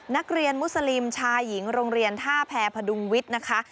นักเรียนมุสลิมชายหญิงโรงเรียนท่าแพรพดุงวิทย์นะคะ